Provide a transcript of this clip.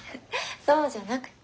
そうじゃなくて。